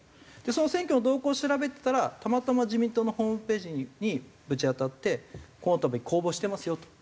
その選挙の動向を調べてたらたまたま自民党のホームページにぶち当たって「この度公募してますよ」と。